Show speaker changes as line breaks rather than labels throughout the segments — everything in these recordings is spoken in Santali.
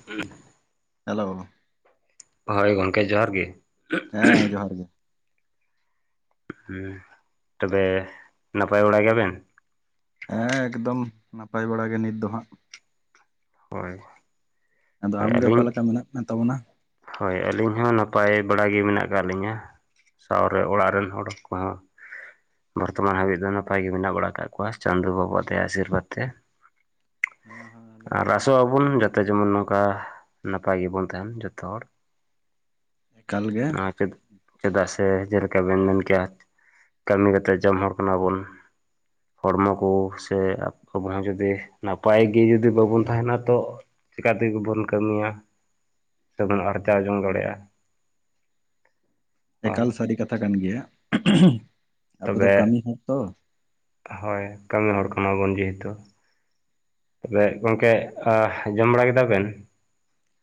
[unintelligible]
ᱦᱮᱞᱳ,
ᱦᱳᱭ ᱜᱚᱢᱠᱮ ᱡᱚᱦᱟᱨ ᱜᱮ᱾
ᱦᱮᱸ ᱢᱟ ᱡᱚᱦᱟᱨ ᱜᱮ᱾
ᱦᱮᱸ᱾ ᱛᱚᱵᱮ ᱱᱟᱯᱟᱭ ᱵᱟᱲᱟ ᱜᱮᱭᱟᱵᱮᱱ᱾
ᱦᱮᱸ ᱮᱠᱫᱚᱢ ᱱᱟᱯᱟᱭ ᱵᱟᱲᱟ ᱜᱮ ᱱᱤᱛ ᱫᱚ ᱦᱟᱸᱜ᱾
ᱦᱳᱭ᱾
ᱟᱫᱚ
ᱦᱳᱭ
ᱟᱢ ᱜᱮ
ᱟᱹᱞᱤᱧ
ᱚᱠᱟ ᱞᱮᱠᱟ ᱢᱮᱱᱟᱜ ᱢᱮ ᱛᱟᱵᱚᱱᱟ?
ᱦᱳᱭ ᱟᱹᱞᱤᱧ ᱦᱚᱸ ᱱᱟᱯᱟᱭ ᱵᱟᱲᱟᱜ ᱜᱮ ᱢᱮᱱᱟᱜ ᱟᱠᱟᱫ ᱞᱤᱧᱟ᱾ ᱥᱟᱶᱨᱮ ᱛᱮ ᱚᱲᱟᱜ ᱨᱮᱱ ᱦᱚᱲ ᱠᱚᱦᱚᱸ᱾ ᱵᱚᱨᱛᱚᱢᱟᱱ ᱦᱟᱹᱵᱤᱡ ᱫᱚ ᱱᱟᱯᱟᱭ ᱜᱮ ᱢᱮᱱᱟᱜ ᱵᱟᱲᱟ ᱟᱠᱟᱜ ᱠᱚᱣᱟ ᱪᱟᱸᱫᱚᱳ ᱵᱟᱵᱟ ᱛᱮᱭᱟᱜ ᱟᱥᱤᱨᱵᱟᱫᱽ ᱛᱮ᱾
ᱦᱩᱸ᱾
ᱟᱨ ᱟᱥᱚᱜ ᱟᱵᱚᱱ ᱡᱟᱛᱮ ᱡᱮᱢᱚᱱ ᱱᱚᱝᱠᱟ ᱱᱟᱯᱟᱭ ᱜᱮᱵᱚᱱ ᱛᱟᱦᱮᱱ ᱡᱚᱛᱚ ᱦᱚᱲ᱾
ᱮᱠᱟᱞ ᱜᱮ᱾
ᱱᱚᱣᱟ ᱪᱮᱫ ᱪᱮᱫᱟᱜ ᱥᱮ ᱡᱮᱞᱠᱟ ᱵᱮᱱ ᱧᱮᱞ ᱠᱮ-ᱟ᱾ ᱠᱟᱹᱢᱤ ᱠᱟᱛᱮᱫ ᱡᱚᱢ ᱦᱚᱲ ᱠᱟᱱᱟ ᱵᱚᱱ᱾ ᱦᱚᱲᱢᱚ ᱠᱚ ᱥᱮ [inaudible] ᱡᱩᱫᱤ ᱱᱟᱯᱟᱭ ᱜᱮ ᱡᱩᱫᱤ ᱵᱟᱵᱚᱱ ᱛᱟᱦᱮᱱᱟ ᱛᱚ ᱪᱤᱠᱟ ᱛᱮᱜᱮᱵᱚᱱ ᱠᱟᱹᱢᱤᱭᱟ᱾ ᱥᱮᱵᱟᱝ ᱟᱨᱡᱟᱣ ᱡᱚᱝ ᱫᱟᱲᱮᱭᱟᱜᱼᱟ᱾ ᱦᱳᱭ
ᱮᱠᱟᱞ ᱥᱟᱹᱨᱤ ᱠᱟᱛᱷᱟ ᱠᱟᱱ ᱜᱮᱭᱟ᱾ ᱟᱵᱚ ᱫᱚ
ᱛᱚᱵᱮ
ᱠᱟᱹᱢᱤ ᱦᱚᱲ ᱛᱚ᱾
ᱦᱳᱭ ᱠᱟᱹᱢᱤ ᱦᱚᱲ ᱠᱟᱱᱟᱵᱚᱱ ᱡᱮᱦᱮᱛᱩ᱾ ᱛᱚᱵᱮ ᱜᱚᱢᱠᱮ ᱟᱦ ᱡᱚᱢ ᱵᱟᱲᱟ ᱠᱮᱫᱟ ᱵᱮᱱ?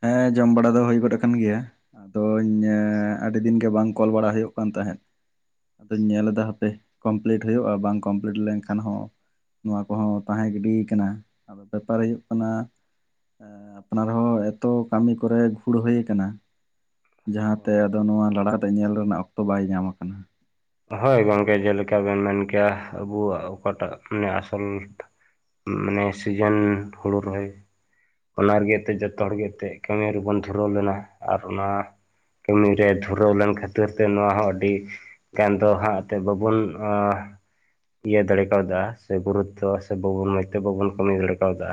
ᱦᱮᱸ ᱡᱚᱢ ᱵᱟᱲᱟ ᱫᱚ ᱦᱩᱭ ᱜᱚᱫ ᱟᱠᱟᱱ ᱜᱮᱭᱟ᱾ ᱟᱫᱚᱧ ᱧᱮ ᱟᱹᱰᱤ ᱫᱤᱱ ᱜᱮ ᱵᱟᱝ ᱠᱚᱞ ᱵᱟᱲᱟ ᱦᱩᱭᱩᱜ ᱠᱟᱱ ᱛᱟᱦᱮᱸᱫ᱾ ᱟᱫᱚᱧ ᱧᱮᱞ ᱮᱫᱟ ᱦᱟᱯᱮ ᱠᱚᱢᱯᱞᱤᱴ ᱦᱩᱭᱩᱜᱼᱟ, ᱵᱟᱝ ᱠᱚᱢᱯᱞᱤᱴ ᱞᱮᱱᱠᱷᱟᱱ ᱦᱚᱸ ᱱᱚᱣᱟ ᱠᱚᱦᱚᱸ ᱛᱟᱦᱮᱸ ᱜᱤᱰᱤᱭ ᱠᱟᱱᱟ᱾ ᱟᱫᱚ ᱵᱮᱯᱟᱨ ᱦᱩᱭᱩᱜ ᱠᱟᱱᱟ ᱚᱸ᱾ ᱟᱯᱱᱟᱨ ᱦᱚᱸ ᱮᱛᱚ ᱠᱟᱹᱢᱤ ᱠᱚᱨᱮᱫ ᱜᱷᱩᱲ ᱦᱩᱭ ᱠᱟᱱᱟ ᱡᱟᱦᱟᱸ ᱛᱮ ᱟᱫᱚ ᱱᱚᱣᱟ ᱞᱟᱲᱟ ᱛᱮ ᱧᱮᱞ ᱨᱮᱱᱟᱜ ᱚᱠᱛᱚ ᱵᱟᱭ ᱧᱟᱢ ᱠᱟᱱᱟ᱾
ᱦᱳᱭ ᱜᱚᱝᱠᱮ ᱡᱮ ᱞᱮᱠᱟ ᱵᱤᱱ ᱢᱮᱱ ᱠᱮᱭᱟ ᱟᱵᱚᱣᱟᱜ ᱚᱠᱟᱴᱟᱜ ᱢᱟᱱᱮ ᱟᱥᱚᱞ ᱢᱟᱱᱮ ᱥᱤᱡᱮᱱ ᱦᱩᱲᱩ ᱨᱚᱦᱚᱭ ᱚᱱᱟ ᱨᱮᱜᱮ ᱮᱛᱮ ᱡᱚᱛᱚ ᱦᱚᱲᱜᱮ ᱮᱱᱛᱜ ᱠᱟᱹᱢᱤ ᱨᱮᱵᱚᱱ ᱫᱷᱩᱨᱟᱹᱣ ᱞᱮᱱᱟ ᱟᱨ ᱚᱱᱟ ᱠᱟᱹᱢᱤ ᱨᱮ ᱫᱷᱩᱨᱟᱹᱣ ᱞᱮᱱ ᱠᱷᱟᱹᱛᱤᱨ ᱛᱮ ᱱᱚᱣᱟ ᱦᱚᱸ ᱟᱹᱰᱤ ᱠᱮᱱ ᱫᱚ ᱦᱟᱸᱜ ᱛᱮ ᱵᱟᱵᱚᱱ ᱟᱸ ᱤᱭᱟᱹ ᱫᱟᱲᱮ ᱠᱟᱣᱫᱟ ᱥᱮ ᱜᱩᱨᱩᱛᱛᱚ ᱥᱮ ᱵᱟᱵᱚᱱ ᱢᱚᱡᱽᱛᱮ ᱵᱟᱵᱚᱱ ᱠᱟᱹᱢᱤ ᱫᱟᱲᱮ ᱠᱟᱣᱫᱟ᱾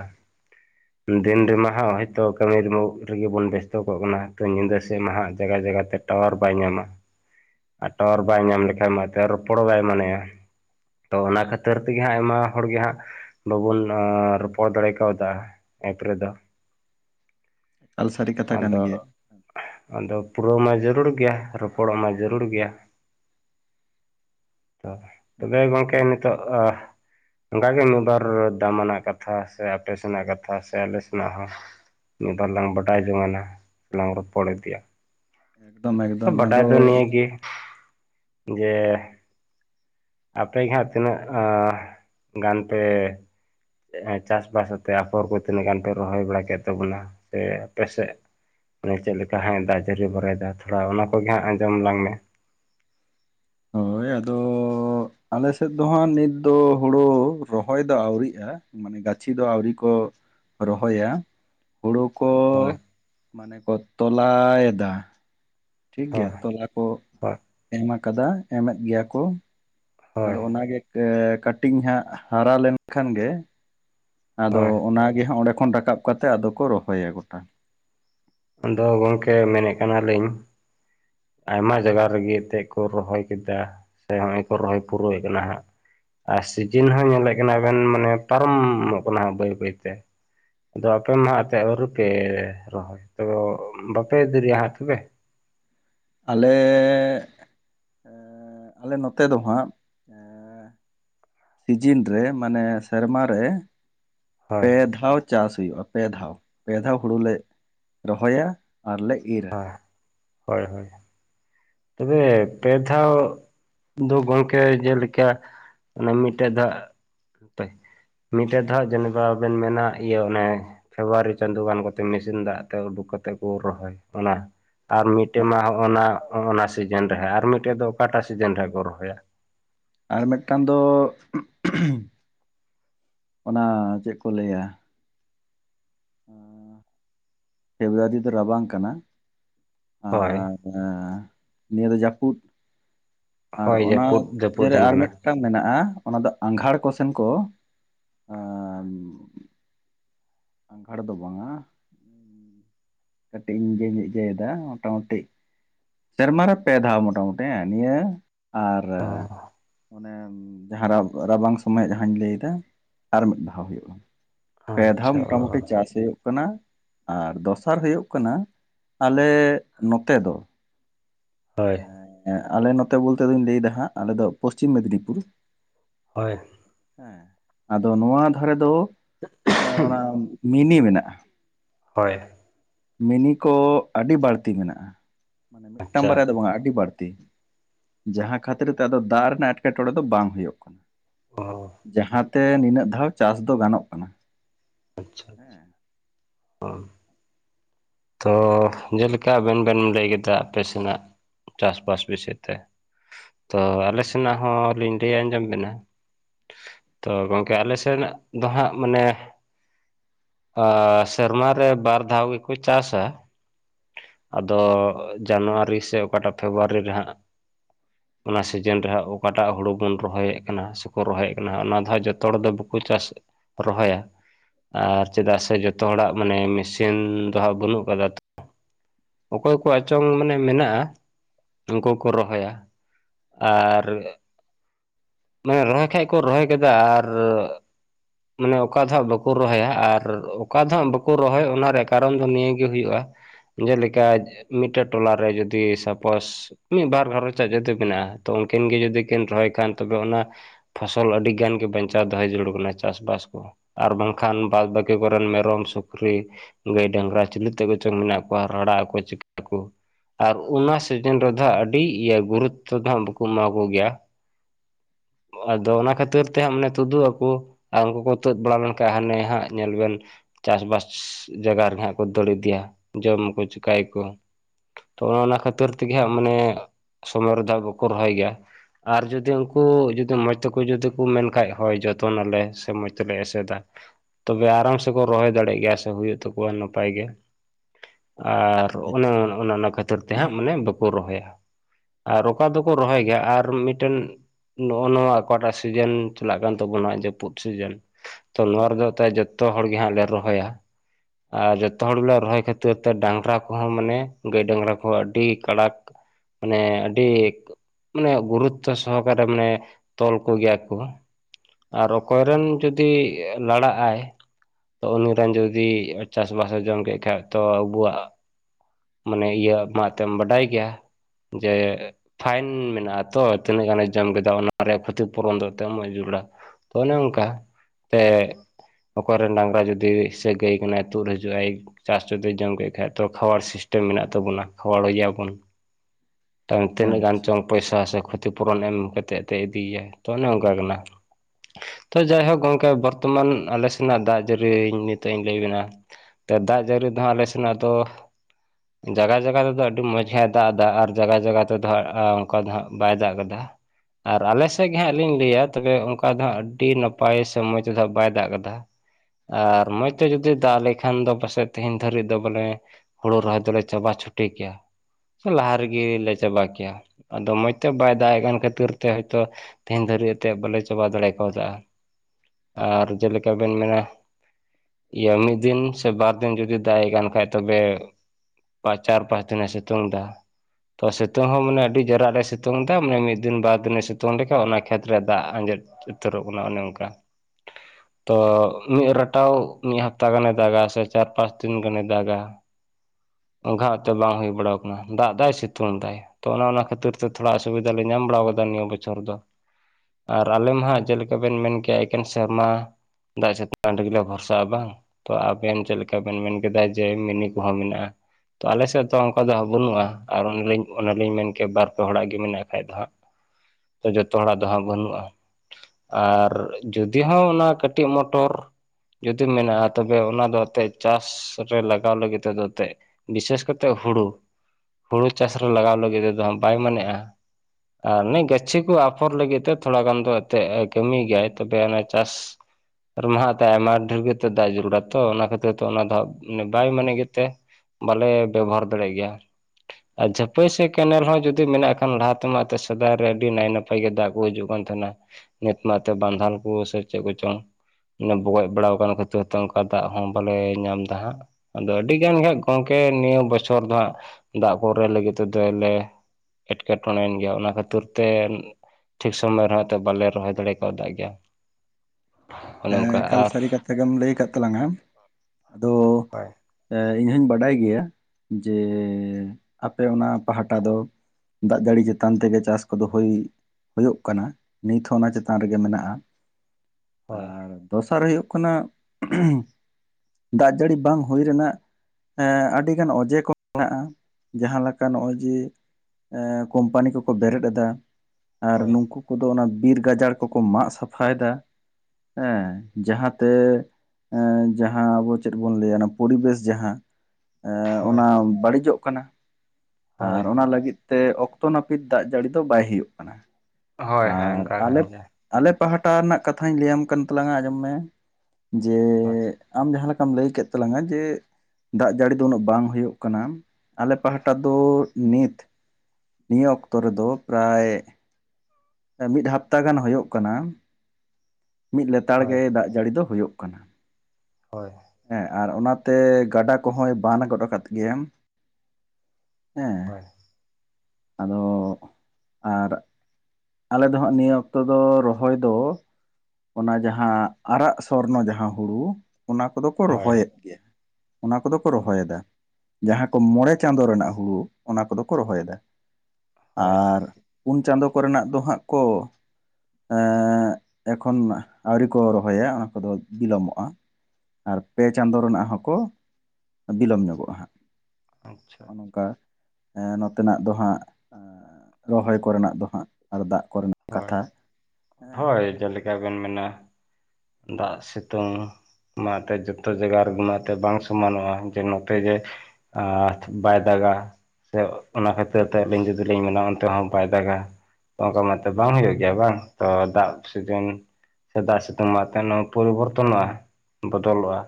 [inaudible] ᱫᱤᱱ ᱨᱮᱢᱟ ᱦᱳᱭ ᱛᱚ ᱠᱟᱹᱢᱤ ᱨᱮᱢᱩ ᱨᱮᱜᱮ ᱵᱚᱱ ᱵᱮᱥᱛᱚ ᱠᱚᱜ ᱠᱟᱱᱟ᱾ ᱛᱚ ᱧᱤᱫᱟᱹ ᱥᱮ ᱢᱟ ᱦᱟᱸᱜ ᱡᱟᱜᱟ ᱡᱟᱜᱟ ᱛᱮᱫ ᱴᱟᱣᱟᱨ ᱵᱟᱭ ᱧᱟᱢᱟ ᱟᱨ ᱴᱟᱣᱟᱨ ᱵᱟᱭ ᱧᱟᱢ ᱞᱮᱠᱷᱟᱡ ᱢᱟᱪᱚ ᱨᱚᱯᱚᱲ ᱵᱟᱭ ᱢᱚᱱᱮᱭᱟ᱾ ᱛᱚ ᱚᱱᱟ ᱠᱷᱟᱹᱛᱤᱨ ᱛᱮᱜᱮ ᱦᱟᱸᱜ ᱟᱭᱢᱟ ᱦᱚᱲᱜᱮ ᱦᱟᱸᱜ ᱵᱟᱵᱚᱱ ᱟ ᱨᱚᱯᱚᱲ ᱫᱟᱲᱮ ᱠᱟᱣᱫᱟ ᱮᱯ ᱨᱮᱫᱚ᱾
ᱮᱠᱟᱞ ᱥᱟᱹᱨᱤ ᱠᱟᱛᱷᱟ ᱠᱟᱱ
ᱟᱫᱚ
ᱜᱮᱭᱟ
ᱟᱫᱚ ᱯᱩᱨᱟᱹᱣ ᱢᱟ ᱡᱟᱹᱨᱩᱲ ᱜᱮᱭᱟ, ᱨᱚᱯᱚᱲᱚᱜ ᱢᱟ ᱡᱟᱹᱨᱩᱲ ᱜᱮᱭᱟ᱾ ᱛᱚ᱾ ᱛᱚᱵᱮ ᱜᱚᱝᱠᱮ ᱱᱤᱛᱚᱜ ᱚᱦ ᱚᱱᱠᱟᱜᱮ ᱢᱤᱫ ᱵᱟᱨ ᱫᱟᱢᱟᱱᱟᱜ ᱠᱟᱛᱷᱟ ᱥᱮ ᱟᱯᱮ ᱥᱮᱱᱟᱜ ᱠᱟᱛᱷᱟ ᱥᱮ ᱟᱞᱮ ᱥᱮᱱᱟᱜ ᱦᱚᱸ᱾ ᱢᱤᱫ ᱵᱟᱨ ᱞᱟᱝ ᱵᱟᱰᱟᱭ ᱡᱚᱝᱟᱱᱟ ᱥᱮ ᱞᱟᱝ ᱨᱚᱯᱚᱲ ᱤᱫᱤᱭᱟ?
ᱮᱠᱫᱚᱢ ᱮᱠᱫᱚᱢ
ᱵᱟᱰᱟᱭ
ᱟᱫᱚ
ᱫᱚ ᱱᱤᱭᱟᱹ ᱜᱮ᱾ ᱡᱮ ᱟᱯᱮᱜ ᱜᱮ ᱦᱟᱸᱜ ᱛᱤᱱᱟᱹᱜ ᱟᱦ ᱜᱟᱱ ᱯᱮ ᱪᱟᱥᱵᱟᱥ ᱟᱛᱮ ᱟᱯᱚᱨ ᱠᱚ ᱛᱤᱱᱟᱹᱜ ᱜᱟᱱ ᱯᱮ ᱨᱚᱦᱚᱭ ᱵᱟᱲᱟ ᱠᱮᱫ ᱛᱟᱵᱚᱱᱟ ᱥᱮ ᱟᱯᱮᱥᱮᱫ ᱚᱱᱮ ᱪᱮᱫ ᱞᱮᱠᱟ ᱦᱟᱸᱜ ᱫᱟᱜ ᱡᱟᱹᱲᱤ ᱵᱚᱨᱟᱭᱮᱫᱟ ᱛᱷᱚᱲᱟ ᱚᱱᱟ ᱠᱚᱜᱮ ᱦᱟᱸᱜ ᱟᱸᱡᱚᱢ ᱞᱟᱝ ᱢᱮ?
ᱦᱳᱭ ᱟᱫᱚ ᱟᱞᱮᱥᱮᱫ ᱫᱚ ᱦᱟᱸᱜ ᱱᱤᱛ ᱫᱚ ᱦᱩᱲᱩ ᱨᱚᱦᱚᱭ ᱫᱚ ᱟᱹᱣᱨᱤᱜᱼᱟ᱾ ᱢᱟᱱᱮ ᱜᱟᱪᱷᱤ ᱫᱚ ᱟᱹᱣᱨᱤ ᱠᱚ ᱨᱚᱦᱚᱭᱟ᱾ ᱦᱳᱲᱳ‌ ᱠᱚ
ᱦᱳᱭ
ᱢᱟᱱᱮ ᱠᱚ ᱛᱚᱞᱟᱭ ᱫᱟ᱾ ᱴᱷᱤᱠ ᱜᱮᱭᱟ
ᱦᱳᱭ
ᱛᱚᱞᱟ ᱠᱚ
ᱦᱳᱭ
ᱮᱢ ᱟᱠᱟᱫᱟ ᱮᱢᱮᱫ ᱜᱮᱭᱟ ᱠᱚ᱾
ᱦᱳᱭ
ᱟᱫᱚ ᱚᱱᱟᱜᱮ ᱠᱟᱹᱴᱤᱝ ᱦᱟᱸᱜ ᱦᱟᱨᱟ ᱞᱮᱱᱠᱷᱟᱱ ᱜᱮ ᱟᱫᱚ
ᱦᱳᱭ
ᱚᱱᱟᱜᱮ ᱦᱟᱸᱜ ᱚᱸᱰᱮ ᱠᱷᱚᱱ ᱨᱟᱠᱟᱵ ᱠᱟᱛᱮᱜ ᱟᱫᱚ ᱠᱚ ᱨᱚᱦᱚᱭᱟ ᱜᱚᱴᱟ᱾
ᱟᱫᱚ ᱜᱚᱝᱠᱮ ᱢᱮᱱᱮᱫ ᱠᱟᱱᱟᱞᱤᱧ ᱟᱭᱢᱟ ᱡᱟᱜᱟ ᱨᱮᱜᱮ ᱮᱛᱮ ᱠᱚ ᱨᱚᱦᱚᱭ ᱠᱮᱫᱟ ᱥᱮ ᱦᱚᱸᱜᱼᱚᱭ ᱠᱚ ᱨᱚᱦᱚᱭ ᱯᱩᱨᱟᱹᱣᱮᱫ ᱠᱟᱱᱟ ᱦᱟᱸᱜ᱾ ᱟᱨ ᱥᱤᱡᱤᱱ ᱦᱚᱸ ᱧᱮᱞᱮᱫ ᱠᱟᱱᱟᱵᱮᱱ ᱢᱟᱱᱮ ᱯᱟᱨᱚᱢᱚᱜ ᱠᱟᱱᱟ ᱵᱟᱹᱭ ᱵᱟᱹᱭᱛᱮ᱾ ᱟᱫᱚ ᱟᱯᱮ ᱢᱟ ᱮᱱᱛᱮᱫ ᱟᱹᱣᱨᱤ ᱯᱮ ᱨᱚᱦᱚᱭ ᱛᱚ ᱵᱟᱯᱮ ᱫᱤᱨᱤ ᱦᱟᱸᱜ ᱛᱚᱵᱮ?
ᱟᱞᱮᱻ ᱟᱞᱮ ᱱᱚᱛᱮ ᱫᱚ ᱦᱟᱸᱜ ᱮᱻ ᱥᱤᱡᱤᱱ ᱨᱮ ᱢᱟᱱᱮ ᱥᱮᱨᱢᱟ ᱨᱮ
ᱦᱳᱭ
ᱯᱮ ᱫᱷᱟᱣ ᱪᱟᱥ ᱦᱩᱭᱩᱜᱼᱟ ᱯᱮ ᱫᱷᱟᱣ ᱯᱮ ᱫᱷᱟᱣ ᱦᱩᱲᱩ ᱞᱮ ᱨᱚᱦᱚᱭᱟ ᱟᱨ ᱞᱮ ᱤᱨ
[inaudible] ᱦᱳᱭ ᱦᱳᱭ ᱛᱚᱵᱮ ᱯᱮ ᱫᱷᱟᱣ ᱫᱚ ᱜᱚᱝᱠᱮ ᱡᱮᱞᱮᱠᱟ ᱚᱱᱮ ᱢᱤᱫᱴᱮᱡ ᱫᱚ ᱢᱤᱫᱴᱮᱱ ᱫᱚ ᱦᱟᱜ ᱡᱮᱱᱚᱵᱮᱱ ᱢᱮᱱᱟ ᱤᱭᱟᱹ ᱚᱱᱮ ᱯᱷᱮᱵᱨᱩᱣᱟᱨᱤ ᱪᱟᱸᱫᱳ ᱜᱟᱱ ᱠᱟᱛᱮ ᱢᱮᱥᱤᱱ ᱫᱟᱜ ᱛᱮ ᱩᱰᱩᱠ ᱠᱟᱛᱮᱫ ᱠᱚ ᱨᱚᱦᱚᱭ ᱚᱱᱟ ᱟᱨ ᱢᱤᱫᱴᱮᱱ ᱢᱟ ᱦᱟᱜ ᱚᱱᱟ ᱚᱱᱟ ᱥᱤᱡᱮᱱ ᱨᱮᱦᱚᱸ ᱟᱨ ᱢᱤᱫᱴᱮᱡ ᱫᱚ ᱚᱠᱟᱴᱟᱜ ᱥᱤᱡᱤᱱ ᱨᱮᱦ ᱠᱚ ᱨᱚᱦᱚᱭᱟ?
ᱟᱨ ᱢᱤᱫᱴᱟᱝ ᱫᱚ, ᱚᱱᱟ ᱪᱮᱫ ᱠᱚ ᱞᱟᱹᱭᱟ? ᱚᱻ ᱯᱷᱮᱵᱽᱨᱩᱣᱟᱨᱤ ᱫᱚ ᱨᱟᱵᱟᱝ ᱠᱟᱱᱟ᱾
ᱦᱳᱭ᱾
ᱟᱨ ᱱᱤᱭᱟᱹ ᱫᱚ ᱡᱟᱹᱯᱩᱫ, ᱟᱨ
ᱦᱳᱭ
ᱚᱱᱟ
ᱡᱟᱹᱯᱩᱫ
ᱤᱭᱟᱹ
ᱡᱟᱹᱯᱩᱫ
ᱨᱮ
ᱫᱤᱱ
ᱟᱨ
ᱠᱟᱱᱟ
ᱢᱤᱫ ᱢᱤᱫᱴᱟᱝ ᱢᱮᱱᱟᱜᱼᱟ ᱚᱱᱟ ᱫᱚ ᱟᱸᱜᱷᱟᱲ ᱠᱚᱥᱮᱱ ᱠᱚ ᱟᱸᱜᱷᱟᱲ ᱫᱚ ᱵᱟᱝᱟ ᱠᱟᱹᱴᱤᱡ ᱤᱧ ᱜᱮ ᱤᱭᱠᱟ ᱮᱫᱟ ᱢᱚᱴᱟ ᱢᱩᱴᱤ ᱥᱮᱨᱢᱟ ᱨᱮ ᱯᱮ ᱫᱷᱟᱣ ᱢᱚᱴᱟ ᱢᱩᱴᱤ ᱦᱮᱸ ᱱᱤᱭᱟᱹ ᱟᱨ
ᱚ
ᱚᱱᱮ ᱡᱟᱦᱟᱸ ᱨᱟᱵᱟᱝ ᱥᱚᱢᱚᱭ ᱡᱟᱦᱟᱸᱧ ᱞᱟᱹᱭᱮᱫᱟ ᱟᱨ ᱢᱤᱫ ᱫᱷᱟᱣ ᱦᱩᱭᱩᱜ-ᱟ᱾ ᱯᱮ ᱫᱷᱟᱣ
ᱟᱪᱪᱷᱟ
ᱢᱚᱴᱟᱢᱩᱴᱤ ᱪᱟᱥ ᱦᱩᱭᱩᱜ ᱠᱟᱱᱟ ᱟᱨ ᱫᱚᱥ ᱫᱚᱥᱟᱨ ᱦᱩᱭᱩᱜ ᱠᱟᱱᱟ ᱟᱞᱮ ᱱᱚᱛᱮ ᱫᱚ
ᱦᱳᱭ
ᱦᱮᱸ ᱟᱞᱮ ᱱᱚᱛᱮ ᱵᱚᱞᱛᱮ ᱫᱚᱧ ᱞᱟᱹᱭ ᱮᱫᱟ ᱦᱟᱸᱜ ᱟᱞᱮ ᱫᱚ ᱯᱚᱥᱪᱤᱢ ᱢᱮᱫᱽᱱᱤᱯᱩᱨ
ᱦᱳᱭ᱾
ᱦᱮᱸ ᱟᱫᱚ ᱱᱚᱣᱟ ᱫᱷᱟᱨᱮ ᱫᱚ ᱚᱱᱟ ᱢᱤᱱᱤ ᱢᱮᱱᱟᱜᱼᱟ᱾
ᱦᱳᱭ᱾
ᱢᱤᱱᱤ ᱠᱚ ᱟᱹᱰᱤ ᱵᱟᱹᱲᱛᱤ ᱢᱮᱱᱟᱜᱼᱟ᱾ ᱢᱟᱱᱮ ᱢᱤᱫᱴᱟᱝ
ᱟᱪᱪᱷᱟ᱾
ᱵᱟᱨᱭᱟ ᱫᱚ ᱵᱟᱝ ᱟᱹᱰᱤ ᱵᱟᱹᱲᱛᱤ ᱡᱟᱦᱟᱸ ᱠᱷᱟᱹᱛᱤᱨ ᱛᱮ ᱟᱫᱚ ᱫᱟᱜ ᱨᱮᱱᱟᱜ ᱮᱴᱠᱮᱴᱚᱬᱮ ᱫᱚ ᱵᱟᱝ ᱦᱩᱭᱩᱜ ᱠᱟᱱᱟ᱾
ᱚ
ᱡᱟᱦᱟᱸᱛᱮ ᱱᱤᱱᱟᱹᱜ ᱫᱷᱟᱣ ᱪᱟᱥ ᱫᱚ ᱜᱟᱱᱚᱜ ᱠᱟᱱᱟ᱾
ᱟᱪᱪᱷᱟ ᱟᱪᱪᱷᱟ ᱚᱻ ᱛᱚ ᱡᱮᱞᱮᱠᱟ ᱟᱵᱮᱱ ᱵᱮᱱ ᱞᱟᱹᱭ ᱠᱮᱫᱟ ᱟᱯᱮ ᱥᱮᱱᱟᱜ ᱪᱟᱥᱵᱟᱥ ᱵᱤᱥᱚᱭ ᱛᱮ᱾ ᱛᱚ ᱟᱞᱮ ᱥᱮᱱᱟᱜ ᱦᱚᱸᱞᱤᱧ ᱞᱟᱹᱭ ᱟᱸᱡᱚᱢ ᱟᱵᱮᱱᱟ᱾ ᱛᱚ ᱜᱚᱝᱠᱮ ᱟᱞᱮ ᱥᱮᱱᱟᱜ ᱫᱚᱦᱟᱸᱜ ᱢᱟᱱᱮ ᱟᱻ ᱥᱮᱨᱢᱟ ᱨᱮ ᱵᱟᱨ ᱫᱷᱟᱣ ᱜᱮᱠᱚ ᱪᱟᱥᱟ᱾ ᱟᱫᱚ ᱡᱟᱱᱩᱣᱟᱨᱤ ᱥᱮ ᱚᱠᱟᱴᱟᱜ ᱯᱷᱮᱵᱩᱣᱟᱨᱤ ᱨᱮ ᱦᱟᱸᱜ? ᱚᱱᱟ ᱥᱤᱡᱤᱱ ᱨᱮ ᱦᱟᱸᱜ ᱚᱠᱟᱴᱟᱜ ᱦᱩᱲᱩ ᱵᱚᱱ ᱨᱚᱦᱚᱭᱮᱜ ᱠᱟᱱᱟ ᱥᱮᱠᱚ ᱨᱚᱦᱚᱭᱮᱜ ᱠᱟᱱᱟ ᱚᱱᱟ ᱫᱚ ᱦᱟᱸᱜ ᱡᱚᱛᱚ ᱦᱚᱲ ᱫᱚ ᱵᱩᱠᱚ ᱪᱟᱥ ᱨᱚᱦᱚᱭᱟ, ᱟᱨ ᱪᱮᱫᱟᱜ ᱥᱮ ᱡᱚᱛᱚ ᱦᱚᱲᱟᱜ ᱢᱟᱱᱮ ᱢᱮᱥᱤᱱ ᱫᱚ ᱦᱟᱸᱜ ᱵᱟᱹᱱᱩᱜ ᱠᱟᱫᱟ᱾ ᱚᱠᱚᱭ ᱠᱚᱣᱟᱜ ᱪᱚᱝ ᱢᱟᱱᱮ ᱢᱮᱱᱟᱜᱼᱟ ᱩᱝᱠᱩ ᱠᱚ ᱨᱚᱦᱚᱭᱟ᱾ ᱟᱨ ᱢᱟᱱᱮ ᱨᱚᱦᱚᱭ ᱠᱷᱟᱡ ᱠᱚ ᱨᱚᱦᱚᱭ ᱠᱟᱫᱟ ᱟᱨ ᱢᱟᱱᱮ ᱚᱠᱟ ᱫᱚ ᱦᱟᱸᱜ ᱵᱟᱠᱚ ᱨᱚᱦᱚᱭᱟ ᱟᱨ ᱚᱠᱟ ᱫᱚ ᱦᱟᱸᱜ ᱵᱟᱠᱚ ᱨᱚᱦᱚᱭ ᱚᱱᱟ ᱨᱮᱭᱟᱜ ᱠᱟᱨᱚᱱ ᱫᱚ ᱱᱤᱭᱟᱹ ᱜᱮ ᱦᱩᱭᱩᱜᱼᱟ ᱡᱮᱞᱮᱠᱟ ᱢᱤᱫᱴᱮᱜ ᱴᱚᱞᱟ ᱨᱮ ᱡᱩᱫᱤ ᱥᱟᱯᱚᱥ ᱢᱤᱜ-ᱵᱟᱨ ᱜᱷᱟᱨᱚᱸᱡᱟᱜ ᱡᱟᱹᱫᱤ ᱢᱮᱱᱟᱜᱼᱟ ᱛᱚ ᱩᱱᱠᱤᱱ ᱜᱮ ᱡᱩᱫᱤ ᱠᱤᱱ ᱨᱚᱦᱚᱭ ᱠᱷᱟᱱ ᱛᱚᱵᱮ ᱚᱱᱟ ᱯᱷᱚᱥᱚᱞ ᱟᱹᱰᱤ ᱜᱟᱱ ᱜᱮ ᱵᱟᱧᱪᱟᱣ ᱫᱚᱦᱚ ᱡᱟᱹᱨᱩᱲ ᱠᱟᱱᱟ ᱪᱟᱥᱵᱥ ᱠᱚ᱾ ᱟᱨ ᱵᱟᱝᱠᱷᱟᱱ ᱵᱟᱫᱽ ᱵᱟᱹᱠᱤ ᱠᱚᱨᱮᱱ ᱢᱮᱨᱚᱢ ᱥᱩᱠᱨᱤ ᱜᱟᱹᱭᱼᱰᱟᱝᱨᱟ ᱪᱤᱞᱤ ᱛᱮᱜ ᱠᱚᱪᱚᱝ ᱢᱮᱱᱟᱜ ᱠᱚᱣᱟ ᱨᱟᱲᱟᱜ ᱟᱠᱚ ᱪᱤᱠᱟᱹ ᱠᱚ᱾ ᱟᱨ ᱚᱱᱟ ᱥᱤᱡᱤᱱ ᱨᱮᱫᱚ ᱦᱟᱜ ᱟᱹᱰᱤ ᱤᱭᱟᱹ ᱜᱩᱨᱩᱛᱛᱚ ᱫᱚ ᱦᱟᱸᱜ ᱵᱟᱠᱚ ᱮᱢᱟᱣ ᱠᱚ ᱜᱮᱭᱟ᱾ ᱟᱫᱚ ᱚᱱᱟ ᱠᱷᱟᱹᱛᱤᱨ ᱛᱮ ᱦᱟᱸᱜ ᱢᱟᱱᱮ ᱛᱩᱫᱩᱜ ᱟᱠᱚ᱾ ᱟ ᱩᱝᱠᱩ ᱠᱚ ᱛᱩᱫ ᱵᱟᱲᱟ ᱞᱮᱱᱠᱟᱡ ᱦᱟᱱᱮ ᱦᱟᱸᱜ ᱧᱮᱞ ᱵᱮᱱ ᱪᱟᱥ-ᱵᱟᱥ ᱡᱟᱜᱟ ᱨᱮᱜᱮ ᱦᱟᱸᱜ ᱠᱚ ᱫᱟᱹᱲ ᱤᱫᱤᱭᱟ ᱡᱚᱢᱟᱠᱚ ᱪᱤᱠᱟᱭᱟᱠᱚ᱾ ᱛᱚ ᱚᱱᱮ ᱚᱱᱟ ᱠᱷᱟᱹᱛᱤᱨ ᱛᱮᱜᱮ ᱦᱟᱸᱜ ᱢᱟᱱᱮ ᱥᱚᱢᱚᱭ ᱨᱮ ᱫᱚ ᱵᱟᱠᱚ ᱨᱚᱦᱚᱭ ᱜᱮᱭᱟ᱾ ᱟᱨ ᱡᱚᱫᱤ ᱩᱝᱠᱩ ᱡᱚᱫᱤ ᱢᱚᱸᱡᱽ ᱛᱮᱠᱚ ᱡᱚᱫᱤ ᱢᱮᱱ ᱠᱷᱟᱡ ᱦᱚᱭ ᱡᱚᱛᱚᱱᱟᱞᱮ ᱥᱮ ᱢᱚᱸᱡᱽ ᱛᱮᱞᱮ ᱮᱥᱮᱫᱟ ᱛᱚᱵᱮ ᱟᱨᱟᱢᱥᱮᱠᱚ ᱨᱚᱦᱚᱭ ᱫᱟᱲᱮᱜ ᱜᱮᱭᱟ ᱥᱮ ᱦᱩᱭᱩᱜ ᱛᱟᱠᱚᱣᱟ ᱱᱟᱯᱟᱭ ᱜᱮ᱾ ᱟᱨ ᱚᱱᱮ ᱚᱱᱟ ᱚᱱᱟ ᱠᱷᱟᱹᱛᱤᱨ ᱛᱮᱦᱟᱸᱜ ᱢᱟᱱᱮ ᱵᱟ ᱠᱚ ᱨᱚᱦᱚᱭᱟ ᱟᱨ ᱚᱠᱟ ᱫᱚᱠᱚ ᱨᱚᱦᱚᱭ ᱜᱮᱭᱟ ᱟᱨ ᱢᱤᱫᱴᱮᱱ ᱱᱚᱜᱼᱚ ᱱᱚᱣᱟ ᱚᱠᱟᱴᱟᱜ ᱥᱤᱡᱮᱱ ᱪᱟᱞᱟᱜ ᱠᱟᱱ ᱛᱟᱵᱚᱱᱟ ᱡᱟᱹᱯᱩᱫᱽ ᱥᱤᱡᱮᱱ ᱛᱚ ᱱᱚᱣᱟ ᱨᱮᱫᱚ ᱛᱟᱭ ᱡᱚᱛᱚ ᱦᱚᱲ ᱜᱮ ᱦᱟᱸᱜ ᱞᱮ ᱨᱚᱦᱚᱭᱟ᱾ ᱟ ᱡᱚᱛᱛᱚ ᱦᱚᱲ ᱜᱮᱞᱮ ᱨᱚᱦᱚᱭ ᱠᱷᱟᱹ ᱛᱟᱹᱨ ᱛᱮ ᱰᱟᱝᱨᱟ ᱠᱚᱦᱚᱸ ᱢᱟᱱᱮ ᱜᱟᱹᱭ ᱰᱟᱝᱨᱟ ᱠᱚᱦᱚᱸ ᱟᱹᱰᱤ ᱠᱟᱲᱟᱠ ᱢᱟᱱᱮ ᱟᱹᱰᱤ ᱢᱟᱱᱮ ᱜᱩᱨᱩᱛᱛᱚ ᱥᱚᱦᱚᱠᱟᱨᱮ ᱢᱟᱱᱮ ᱛᱚᱞ ᱠᱚ ᱜᱮᱭᱟ ᱠᱚ᱾ ᱟᱨ ᱚᱠᱚᱭᱨᱮᱱ ᱡᱩᱫᱤ ᱞᱟᱲᱟᱜᱼᱟᱭ ᱛᱚ ᱩᱱᱤ ᱨᱮᱱ ᱡᱩᱫᱤ ᱪᱟᱥᱼᱵᱟᱥᱮ ᱡᱚᱢ ᱠᱮᱜ ᱠᱷᱟᱡ ᱛᱚ ᱟᱵᱚᱣᱟᱜ ᱢᱟᱱᱮ ᱤᱭᱟᱹ ᱟᱢᱢᱟ ᱮᱛᱮᱜ ᱮᱢ ᱵᱟᱰᱟᱭ ᱜᱮᱭᱟ ᱡᱮ ᱯᱷᱟᱤᱱ ᱢᱮᱱᱟᱜᱼᱟ ᱛᱚ ᱛᱤᱱᱟᱹᱜ ᱜᱟᱱᱮ ᱡᱚᱢ ᱠᱮᱫᱟ ᱚᱱᱟ ᱨᱮᱭᱟᱜ ᱠᱷᱚᱛᱤ ᱯᱩᱨᱨᱚᱱ ᱫᱚ ᱮᱛᱮᱜ ᱮᱢᱚᱜ ᱡᱩᱨᱩᱲᱟ᱾ ᱛᱚ ᱚᱱᱮ ᱚᱝᱠᱟ, ᱛᱮ ᱚᱠᱭᱨᱮᱱ ᱰᱟᱝᱨᱟ ᱡᱩᱫᱤ ᱥᱮ ᱜᱟᱹᱭ ᱠᱟᱱᱟᱭ ᱛᱩᱫᱽ ᱦᱤᱡᱩᱜ ᱟᱭ ᱪᱟᱥ ᱡᱩᱫᱤᱭ ᱡᱚᱢ ᱠᱮᱜ ᱠᱷᱟᱡ ᱛᱚ ᱠᱷᱟᱣᱟᱲ ᱥᱤᱥᱴᱮᱢ ᱢᱮᱱᱟᱜ ᱛᱟᱵᱚᱱᱟ ᱠᱷᱟᱣᱟᱲᱮᱭᱟᱵᱚᱱ᱾ ᱴᱟᱝ ᱛᱤᱜ
ᱦᱮᱸ
ᱜᱟᱱ
ᱟᱪᱪᱷᱟ
ᱪᱚᱝ ᱯᱚᱭᱥᱟ ᱥᱮ ᱠᱷᱚᱛᱤ ᱯᱩᱨᱚᱱ ᱮᱢ ᱠᱮᱛᱮᱜ ᱛᱮ ᱤᱫᱤᱭᱟᱭ ᱛᱚ ᱚᱱᱮ ᱚᱝᱠᱟ ᱠᱟᱱᱟ ᱛᱚ ᱡᱟᱭᱦᱳᱠ ᱜᱚᱝ ᱝᱠᱮ ᱵᱚᱨᱛᱚᱢᱟᱱ ᱟᱞᱮ ᱥᱮᱱᱟᱜ ᱫᱟᱜ ᱡᱟᱹᱨᱤ ᱱᱤᱛᱚᱜ ᱤᱧ ᱞᱟᱹᱭ ᱵᱤᱱᱟ ᱛᱚ ᱫᱟᱜ ᱡᱟᱹᱨᱤ ᱫᱚ ᱦᱟᱸᱜ ᱟᱞᱮ ᱥᱮᱱᱟᱜ ᱫᱚ ᱡᱟᱜᱟ ᱡᱟᱜᱟ ᱛᱮᱫᱚ ᱟᱹᱰᱤ ᱢᱚᱡᱽ ᱜᱮ ᱦᱟᱸᱜ ᱫᱟᱜᱫᱟ ᱟᱨ ᱡᱟᱜᱟ ᱡᱟᱜᱟ ᱛᱮᱫᱚ ᱦᱟᱸᱜ ᱟ ᱚᱝᱠᱟ ᱫᱚ ᱦᱟᱸᱜ ᱵᱟᱭ ᱫᱟᱜ ᱠᱟᱫᱟ᱾ ᱟᱨ ᱟᱞᱮ ᱥᱮᱜ ᱜᱮ ᱦᱟᱸᱜ ᱞᱤᱧ ᱞᱟᱹᱭᱟ ᱛᱚᱵᱮ ᱚᱝᱠᱟ ᱫᱚ ᱦᱟᱸᱜ ᱟᱹᱰᱤ ᱱᱟᱯᱟᱭ ᱥᱮ ᱢᱚᱸᱡᱽ ᱫᱚ ᱦᱟᱸᱜ ᱵᱟᱭ ᱫᱟᱜ ᱠᱟᱫᱟ᱾ ᱟᱨ ᱢᱚᱸᱡᱽ ᱛᱮ ᱡᱩᱫᱤ ᱫᱟᱜ ᱞᱮᱠᱷᱟᱱ ᱫᱚ ᱯᱟᱥᱮᱫ ᱛᱮᱦᱤᱱ ᱫᱷᱟᱹᱨᱤᱡ ᱫᱚ ᱵᱚᱞᱮ ᱦᱩᱲᱩ ᱨᱚᱦᱟ ᱫᱚᱞᱮ ᱪᱟᱵᱟ ᱪᱷᱩᱴᱤ ᱠᱮᱭᱟ᱾ ᱞᱟᱦᱟ ᱨᱮᱜᱮ ᱞᱮ ᱪᱟᱵᱟ ᱠᱮᱭᱟ᱾ ᱟᱫᱚ ᱢᱚᱸᱡᱽ ᱛᱮ ᱵᱟᱭ ᱫᱟᱜᱼᱮᱜ ᱠᱟᱱ ᱠᱷᱟᱹᱛᱤᱨ ᱛᱮ ᱦᱚᱭᱛᱚ ᱛᱮᱦᱤᱧ ᱫᱷᱟᱹᱨᱤᱡ ᱮᱛᱮᱜ ᱵᱟᱞᱮ ᱪᱟᱵᱟ ᱫᱟᱲᱮ ᱠᱟᱣᱫᱟᱜᱼᱟ᱾ ᱟᱨ ᱡᱮᱞᱮᱠᱟ ᱵᱮᱱ ᱢᱮᱱᱟ ᱤᱭᱟᱹ ᱢᱤᱫ ᱫᱤᱱ ᱥᱮ ᱵᱟᱨ ᱫᱤᱱ ᱡᱩᱫᱤ ᱫᱟᱭᱮ ᱠᱟᱱ ᱠᱷᱟᱡ ᱛᱚᱵᱮ ᱯᱟᱸᱪ, ᱪᱟᱨ, ᱯᱟᱸᱪ ᱫᱤᱱ ᱮ ᱥᱮᱹᱛᱚᱝ ᱫᱟ᱾ ᱛᱚ ᱥᱮᱹᱛᱚᱝ ᱦᱚᱸ ᱢᱟᱱᱮ ᱟᱹᱰᱤ ᱡᱟᱨᱟᱜ ᱨᱮ ᱥᱤᱛᱩᱝ ᱫᱟ ᱢᱟᱱᱮ ᱢᱤᱫ ᱫᱤᱱ ᱵᱟᱨ ᱫᱤᱱᱮ ᱥᱤᱛᱩᱝ ᱞᱮᱠᱷᱟᱡ ᱚᱱᱟ ᱠᱷᱮᱛ ᱨᱮ ᱫᱟᱜ ᱟᱸᱡᱮᱫ ᱟᱸᱡᱮᱫᱽ ᱩᱛᱟᱹᱨ-ᱚᱜ ᱠᱟᱱᱟ ᱚᱱᱮ ᱚᱝᱠᱟ᱾ ᱛᱚ ᱩᱱᱤᱟᱜ ᱨᱟᱴᱟᱣ ᱢᱤᱫ ᱦᱟᱯᱛᱟ ᱜᱟᱱᱮ ᱫᱟᱜᱟ ᱥᱮ ᱪᱟᱨ, ᱯᱟᱸᱪ ᱫᱤᱱ ᱜᱟᱱ ᱮ ᱫᱟᱜᱟ᱾ ᱚᱝᱜᱷᱟᱜ ᱟᱛᱮ ᱵᱟᱝ ᱦᱩᱭ ᱵᱟᱲᱟᱣ ᱠᱟᱱᱟ ᱫᱟᱜ ᱫᱟᱭ ᱥᱤᱛᱩᱝ ᱫᱟᱭ᱾ ᱛᱚ ᱚᱱᱟ ᱚᱱᱟ ᱠᱷᱟᱹᱛᱤᱨ ᱛᱮ ᱛᱷᱚᱲᱟ ᱚᱥᱩᱵᱤᱫᱷᱟ ᱞᱮ ᱧᱟᱢ ᱵᱟᱲᱟᱣ ᱠᱟᱫᱟ ᱱᱤᱭᱟᱹ ᱵᱚᱪᱷᱚᱨ ᱫᱚ᱾ ᱟᱨ ᱟᱞᱮ ᱢᱟᱦᱟᱜ ᱡᱮᱞᱮᱠᱟ ᱵᱮᱱ ᱢᱮᱱ ᱠᱮᱭᱟ ᱮᱠᱮᱱ ᱥᱮᱨᱢᱟ᱾ ᱫᱟᱜ ᱪᱮᱛᱟᱱ ᱨᱮ ᱟᱹᱰᱤ ᱜᱮᱞᱮ ᱵᱷᱚᱨᱥᱟ-ᱟ ᱵᱟᱝ, ᱛᱚ ᱟᱵᱮᱱ ᱪᱮᱞ- ᱠᱟ ᱵᱮᱱ ᱢᱮᱱ ᱠᱮᱫᱟ ᱡᱮ ᱢᱤᱱᱤ ᱠᱚᱦᱚᱸ ᱢᱮᱱᱟᱜ-ᱟ᱾ ᱛᱚ ᱟᱞᱮ ᱥᱮᱫ ᱫᱚ ᱚᱝᱠᱟ ᱫᱚ ᱦᱟᱸᱜ ᱵᱟᱹᱱᱩᱜ-ᱟ, ᱟᱨ ᱚᱱᱮ ᱞᱤᱧ ᱚᱱᱮ ᱞᱤᱧ ᱢᱮᱱ ᱠᱮᱫ ᱵᱟᱨ, ᱯᱮ ᱦᱚᱲᱟᱜ ᱜᱮ ᱢᱮᱱᱟᱜ ᱠᱷᱟᱡ ᱫᱚ ᱦᱟᱸᱜ᱾ ᱛᱚ ᱡᱚᱛᱚ ᱦᱚᱲᱟᱜ ᱫᱚ ᱦᱟᱸᱜ ᱵᱟᱹᱱᱩᱜ-ᱟ᱾ ᱟᱨ ᱡᱩᱫᱤ ᱦᱚᱸ ᱚᱱᱟ ᱠᱟᱹᱴᱤᱡ ᱢᱚᱴᱚᱨ ᱡᱩᱫᱤ ᱢᱮᱱᱟᱜ-ᱟ ᱛᱚᱵᱮ ᱚᱱᱟ ᱫᱚ ᱛᱮᱡ- ᱪᱟᱥ ᱨᱮ ᱞᱟᱜᱟᱣ ᱞᱟᱹᱜᱤᱫ ᱛᱮᱫᱚ ᱛᱮᱡ ᱵᱤᱥᱮᱥ ᱠᱟᱛᱮᱜ ᱦᱩᱲᱩ᱾ ᱦᱩᱲᱩ ᱪᱟᱥ ᱨᱮ ᱞᱟᱜᱟᱣ ᱞᱟᱹᱜᱤᱫ ᱛᱮᱫᱚ ᱦᱟᱸᱜ ᱵᱟᱭ ᱢᱟᱱᱮᱜ-ᱟ᱾ ᱟᱨ ᱱᱤ ᱜᱟᱹᱪᱷᱤ ᱠᱚ ᱟᱯᱷᱚᱨ ᱞᱟᱹᱜᱤᱫ ᱛᱮ ᱛᱷᱚᱲᱟ ᱜᱟᱱ ᱫᱚ ᱮᱛᱷᱮᱜ-ᱮ ᱠᱟᱹᱢᱤ ᱜᱮᱭᱟᱭ ᱛᱚᱵᱮ ᱮᱱᱮ ᱪᱟᱥ ᱟᱨ ᱢᱟ ᱦᱟᱸᱜ ᱛᱟᱭ ᱟᱭᱢᱟ ᱰᱷᱟᱹᱜᱟᱹ ᱛᱮ ᱫᱟᱜ ᱡᱟᱹᱨᱩᱲᱟ ᱛᱚ ᱚᱱᱟ ᱠᱷᱟᱹ- ᱛᱚ ᱚᱱᱟ ᱫᱚ ᱦᱟᱸᱜ ᱵᱟᱭ ᱢᱟᱱᱮ ᱜᱮᱛᱮ ᱵᱟᱞᱮ ᱵᱮᱵᱚᱦᱟᱨ ᱫᱟᱲᱮᱜ ᱜᱮᱭᱟ᱾ ᱟᱨ ᱡᱷᱟᱹᱯᱟᱹᱭ ᱥᱮᱜ ᱠᱮᱱᱮᱞ ᱦᱚᱸ ᱡᱩᱫᱤ ᱢᱮᱱᱟᱜ ᱠᱷᱟᱱ ᱞᱟᱦᱟ ᱛᱮᱢᱟ ᱛᱚ ᱥᱮᱫᱟᱭ ᱨᱮ ᱟᱹᱰᱤ ᱱᱟᱭ ᱱᱟᱯ- ᱨᱮᱜᱮ ᱫᱟᱜ ᱠᱚ ᱦᱤᱡᱩᱜ ᱠᱟᱱ ᱛᱟᱦᱮᱸᱱᱟ ᱱᱤᱛ ᱢᱟᱛᱚ ᱵᱟᱱᱫᱷᱟᱱ ᱠᱚ ᱥᱮ ᱪᱮᱜ ᱠᱚ ᱪᱚᱝ᱾ ᱚᱱᱟ ᱵᱚᱜᱚᱡ ᱵᱟᱲᱟᱶ ᱟᱠᱟᱱ ᱠᱷᱟᱹᱛᱤᱨ ᱛᱮ ᱚᱱᱠᱟ ᱫᱟᱜ ᱦᱚᱸ ᱵᱟᱞᱮ ᱧᱟᱢ ᱫᱟ ᱦᱟᱸᱜ᱾ ᱟᱫᱚ ᱟᱹᱰᱤ ᱜᱟᱱ ᱜᱮ ᱦᱟᱸᱜ ᱜᱚᱝᱠᱮ ᱱᱤᱭᱟᱹ ᱵᱚᱪᱷᱚᱨ ᱫᱚ ᱦᱟᱸᱜ ᱫᱟᱜ ᱠᱚᱨᱮ ᱞᱟᱹᱜᱤᱫ ᱛᱮᱫᱚ ᱞᱮ ᱮᱴᱠᱮᱴᱚᱬᱮ ᱮᱱ ᱜᱤᱭᱟ ᱚᱱᱟ ᱠᱷᱟᱹᱛᱤᱨ ᱛᱮ ᱴᱷᱤᱠ ᱥᱚᱢᱚᱭ ᱨᱮ ᱦᱚᱭ ᱛᱚ ᱵᱟᱞᱮ ᱨᱚᱦᱚᱭ ᱫᱟᱲᱮ ᱠᱟᱣᱫᱟ ᱜᱮᱭᱟ᱾ ᱚᱱᱮ
ᱦᱮᱸ
ᱚᱱᱠᱟ
ᱮᱠᱟᱞ
ᱟᱨ
ᱥᱟᱹᱨᱤ ᱠᱟᱛᱷᱟ ᱜᱮᱢ ᱞᱟᱹᱭ ᱠᱟᱫ ᱛᱟᱞᱟᱝᱟ᱾ ᱟᱫᱚ
ᱦᱳᱭ
ᱤᱧ ᱦᱚᱸᱧ ᱵᱟᱰᱟᱭ ᱜᱮᱭᱟ, ᱡᱮ ᱟᱯᱮ ᱚᱱᱟ ᱯᱟᱦᱴᱟ ᱫᱚ ᱫᱟᱜ ᱡᱟᱹᱲᱤ ᱪᱮᱛᱟᱱ ᱛᱮᱜᱮ ᱪᱟᱥ ᱠᱚᱫᱚ ᱦᱩᱭ ᱦᱩᱭᱩᱜ ᱠᱟᱱᱟ, ᱱᱤᱛ ᱦᱚᱸ ᱚᱱᱟ ᱪᱮᱛᱟᱱ ᱨᱮᱜᱮ ᱢᱮᱱᱟᱜ-ᱟ᱾
ᱦᱳᱭ
ᱫᱚᱥᱟᱨ ᱦᱩᱭᱩᱜ ᱠᱟᱱᱟ ᱫᱟᱜ ᱡᱟᱹᱲᱤ ᱵᱟᱝ ᱦᱩᱭ ᱨᱮᱱᱟᱜ ᱮ ᱟᱹᱰᱤ ᱜᱟᱱ ᱚᱡᱮ ᱠᱚ ᱢᱮᱱᱟᱜ-ᱟ, ᱡᱟᱦᱟ ᱞᱮᱠᱟ ᱱᱚᱜ-ᱚᱭ ᱡᱮ ᱮ ᱠᱚᱢᱯᱟᱱᱤ ᱠᱚᱠᱚ ᱵᱮᱨᱮᱫ ᱮᱫᱟ᱾ ᱟᱨ
ᱦᱳᱭ
ᱱᱩᱝᱠᱩ ᱠᱚᱫᱚ ᱚᱱᱟ ᱵᱤᱨ ᱜᱟᱡᱟᱲ ᱠᱚᱠᱚ ᱢᱟᱜ ᱥᱟᱯᱷᱟᱭ ᱫᱟ᱾ ᱦᱮᱸ ᱡᱟᱦᱟᱸ ᱛᱮ ᱮ ᱡᱟᱦᱟᱸ ᱟᱵᱚ ᱪᱮᱫ ᱵᱚᱱ ᱞᱟᱹᱭᱟ, ᱚᱱᱟ ᱯᱚᱨᱤᱵᱮᱥ ᱡᱟᱦᱟᱸ ᱮ
ᱦᱳᱭ
ᱚᱱᱟ ᱵᱟᱹᱲᱤᱡ-ᱚᱜ ᱠᱟᱱᱟ᱾
ᱦᱳᱭ
ᱟᱨ ᱚᱱᱟ ᱞᱟᱹᱜᱤᱫ ᱛᱮ ᱚᱠᱛᱚ ᱱᱟᱹᱯᱤᱛ ᱫᱟᱜ ᱡᱟᱹᱲᱤ ᱫᱚ ᱵᱟᱭ ᱦᱩᱭᱩᱜ ᱠᱟᱱᱟ,
ᱦᱳᱭ ᱦᱳᱭ
ᱟᱨ
ᱚᱱᱠᱟ ᱠᱟᱱ
ᱟᱞᱮ
ᱜᱮᱭᱟ
ᱟᱞᱮ ᱯᱟᱦᱴᱟ ᱨᱮᱱᱟᱜ ᱠᱟᱛᱷᱟᱧ ᱞᱟᱹᱭ ᱟᱢ ᱠᱟᱱ ᱛᱟᱞᱟᱝᱟ ᱟᱸᱡᱚᱢ ᱢᱮ᱾ ᱡᱮ
ᱦᱳᱭ
ᱟᱢ ᱡᱟᱦᱟᱸ ᱞᱮᱠᱟᱢ ᱞᱟᱹᱭ ᱠᱮᱫ ᱛᱟᱞᱟᱝᱟ ᱡᱮ ᱫᱟᱜ ᱡᱟᱹᱲᱤ ᱫᱚ ᱩᱱᱟᱹᱜ ᱵᱟᱝ ᱦᱩᱭᱩᱜ ᱠᱟᱱᱟ᱾ ᱟᱞᱮ ᱯᱟᱦᱴᱟ ᱫᱚ ᱱᱤᱛ ᱱᱤᱭᱟᱹ ᱚᱠᱛᱚ ᱨᱮᱫᱚ ᱯᱨᱟᱭ ᱢᱤᱫ ᱦᱟᱯᱛᱟ ᱜᱟᱱ ᱦᱩᱭᱳᱜ ᱠᱟᱱᱟ᱾ ᱢᱤᱫ ᱞᱮᱛᱟᱲ
ᱦᱳᱭ
ᱜᱮ ᱫᱟᱜ ᱡᱟᱹᱲᱤ ᱫᱚ ᱦᱩᱭᱩᱜ ᱠᱟᱱᱟ᱾
ᱦᱳᱭ
ᱦᱮᱸ ᱟᱨ ᱚᱱᱟ ᱛᱮ ᱜᱟᱰᱟ ᱠᱚᱦᱚᱸᱭ ᱵᱟᱱ ᱜᱚᱫ ᱟᱠᱟᱫ ᱜᱮᱭᱟ᱾ ᱦᱮᱸ,
ᱦᱳᱭ,
ᱟᱫᱚ ᱟᱨ ᱟᱞᱮ ᱫᱚ ᱦᱟᱸᱜ ᱱᱤᱭᱟᱹ ᱚᱠᱛᱚ ᱫᱚ ᱨᱚᱦᱚᱭ ᱫᱚ ᱚᱱᱟ ᱡᱟᱦᱟᱸ ᱟᱨᱟᱜ ᱥᱚᱨᱱᱚ ᱡᱟᱦᱟᱸ ᱦᱩᱲᱩ ᱚᱱᱟ ᱠᱚᱫᱚ ᱠᱚ
ᱦᱳᱭ
ᱨᱚᱦᱚᱭᱮᱫ ᱜᱮᱭᱟ᱾ ᱚᱱᱟ ᱠᱚᱫᱚ ᱠᱚ ᱨᱚᱦᱚᱭᱮᱫᱟ᱾ ᱡᱟᱦᱟᱸ ᱠᱚ ᱢᱚᱬᱮ ᱪᱟᱸᱫᱳ ᱨᱮᱱᱟᱜ ᱦᱩᱲᱩ ᱚᱱᱟ ᱠᱚᱫᱚ ᱠᱚ ᱨᱚᱦᱚᱭ ᱮᱫᱟ᱾
ᱦᱳᱭ
ᱟᱨ ᱯᱩᱱ ᱪᱟᱸᱫ ᱠᱚᱨᱮᱱᱟᱜ ᱫᱚ ᱦᱟᱸᱜ ᱠᱚ ᱮ ᱮᱠᱷᱚᱱ ᱟᱹᱣᱨᱤ ᱠᱚ ᱨᱚᱦᱚᱭᱟ ᱚᱱᱟ ᱠᱚᱫᱚ ᱵᱤᱞᱚᱢᱚᱜᱼᱟ᱾ ᱟᱨ ᱯᱮ ᱪᱟᱸᱫᱳ ᱨᱮᱱᱟᱜ ᱦᱚᱸᱠᱚ ᱵᱤᱞᱚᱢ ᱧᱚᱜᱚᱜ-ᱟ ᱦᱟᱸᱜ᱾
ᱟᱪᱪᱷᱟ
ᱦᱚᱸᱜᱚ
ᱟᱪᱪᱷᱟ
ᱱᱚᱝᱠᱟ ᱱᱚᱛᱮᱱᱟᱜ ᱫᱚ ᱦᱟᱸᱜ ᱨᱚᱦᱚᱭ ᱠᱚᱨᱮᱱᱟᱜ ᱫᱚ ᱦᱟᱸᱜ᱾ ᱟᱨ ᱫᱟᱜ ᱠᱚᱨᱮᱱᱟᱜ᱾
ᱦᱳᱭ
ᱠᱟᱛᱷᱟ ᱦᱮᱸ
ᱦᱳᱭ ᱡᱮᱞᱮᱠᱟ ᱵᱮᱱ ᱢᱮᱱᱟ ᱫᱟᱜ ᱥᱤᱛᱩᱝ ᱚᱱᱟᱛᱮ ᱡᱚᱛᱚ ᱡᱟᱭᱜᱟ ᱨᱮᱜᱮ ᱢᱟ ᱚᱱᱟᱛᱮ ᱵᱟᱝ ᱥᱚᱢᱟᱱᱚᱜᱼᱟ ᱡᱮ ᱱᱚᱛᱮ ᱡᱮ ᱟᱛ ᱵᱟᱭ ᱫᱟᱜᱟ᱾ ᱥᱮ ᱚᱱᱟ ᱠᱷᱟᱹᱛᱤᱨ ᱛᱮ ᱟᱹᱞᱤᱧ ᱡᱩᱫᱤ ᱞᱤᱧ ᱢᱮᱱᱟ ᱚᱱᱛᱮ ᱦᱚᱸ ᱵᱟᱭ ᱫᱟᱜᱟ᱾ ᱚᱱᱠᱟ ᱢᱟᱛᱚ ᱵᱟᱝ ᱦᱩᱭᱩᱜ ᱜᱮᱭᱟ ᱵᱟᱝ ᱛᱚ ᱫᱟᱜ ᱥᱤᱡᱤᱱ ᱥᱮ ᱫᱟᱜ ᱥᱮᱛ [unintelligible] ᱯᱚᱨᱤᱵᱚᱨᱛᱚᱱᱚᱜᱼᱟ ᱵᱚᱫᱚᱞᱚᱜᱼᱟ᱾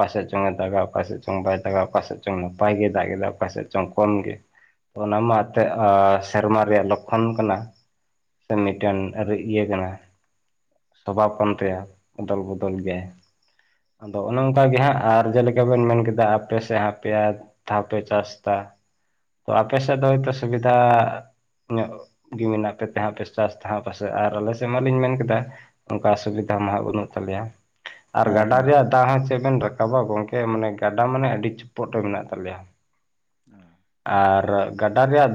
ᱚᱠᱟᱥᱮᱫ ᱪᱚᱝ ᱮ ᱫᱟᱜᱟ ᱚᱠᱟᱥᱮᱫ ᱪᱚᱝ ᱵᱟᱭ ᱫᱟᱜ ᱚᱠᱟᱥᱮᱫ ᱪᱚᱝ ᱱᱟᱯᱟᱭ ᱜᱮ ᱫᱟᱜ ᱮᱫᱟ ᱚᱠᱟᱥᱮᱫ ᱪᱚᱝ ᱠᱚᱢ ᱜᱮ᱾ ᱚᱱᱟ ᱢᱟ ᱮᱛᱮᱫ ᱥᱮᱨᱢᱟ ᱨᱮᱭᱟᱜ ᱞᱚᱠᱠᱷᱚᱱ ᱠᱟᱱᱟ᱾ ᱥᱮ ᱢᱤᱫᱴᱮᱱ ᱤᱭᱟᱹ ᱠᱟᱱᱟ ᱥᱚᱵᱷᱟ ᱯᱚᱱ ᱛᱮᱭᱟᱜ ᱚᱫᱚᱞ ᱵᱚᱫᱚᱞ ᱜᱮ᱾ ᱟᱫᱚ ᱚᱱᱮ ᱚᱱᱠᱟ ᱜᱮ ᱦᱟᱸᱜ ᱟᱨ ᱡᱮᱞᱮᱠᱟ ᱵᱮᱱ ᱢᱮᱱ ᱠᱮᱫᱟ ᱟᱯᱮ ᱥᱮᱫ ᱟᱯᱮᱭᱟ᱾ ᱫᱷᱟᱣᱯᱮ ᱪᱟᱥ ᱫᱟ ᱛᱚ ᱟᱯᱮ ᱥᱮᱫ ᱫᱚ ᱦᱚᱭᱛᱳ ᱥᱩᱵᱤᱫᱷᱟ ᱧᱚᱜ ᱜᱮ ᱢᱮᱱᱟᱜ ᱯᱮ ᱛᱮᱸ ᱯᱮ ᱪᱟᱥ ᱛᱟᱦᱮᱸ ᱯᱟᱥᱮᱡ ᱟᱨ ᱟᱞᱮ ᱥᱮᱫ ᱢᱟᱞᱤᱧ ᱢᱮᱱ ᱠᱮᱫᱟ᱾ ᱚᱱᱠᱟ ᱚᱥᱩᱵᱤᱫᱷᱟ ᱢᱟ ᱵᱟᱹᱱᱩᱜ ᱛᱟᱞᱮᱭᱟ ᱟᱨ
ᱦᱮᱸ
ᱜᱟᱰᱟ
ᱦᱮᱸ
ᱨᱮᱭᱟᱜ ᱫᱟᱜ ᱦᱚᱸ ᱪᱮᱫ ᱵᱮᱱ ᱨᱟᱠᱟᱵᱟ ᱜᱚᱝᱠᱮ ᱢᱟᱱᱮ ᱜᱟᱰᱟ ᱢᱟᱱᱮ ᱟᱹᱰᱤ ᱪᱚᱯᱚᱴ ᱨᱮ ᱢᱮᱱᱟᱜ ᱛᱟᱞᱮᱭᱟ᱾ ᱟᱨ ᱜᱟᱰᱟ ᱨᱮᱭᱟᱜ